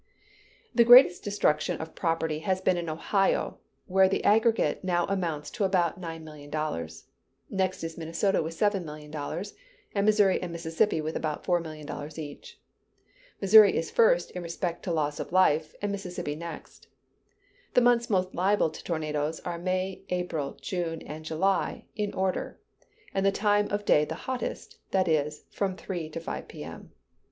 ] The greatest destruction of property has been in Ohio, where the aggregate now amounts to about $9,000,000. Next is Minnesota with $7,000,000, and Missouri and Mississippi with about $4,000,000 each. Missouri is first in respect to loss of life, and Mississippi next. The months most liable to tornadoes are May, April, June, and July, in order; and the time of day the hottest; that is, from 3 to 5 P.M.